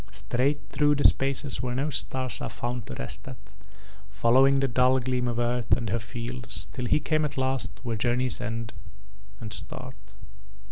Straight through the spaces where no stars are found to rest at, following the dull gleam of earth and her fields till he come at last where journeys end and start."